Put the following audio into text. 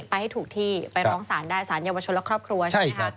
ให้ถูกที่ไปร้องศาลได้สารเยาวชนและครอบครัวใช่ไหมคะ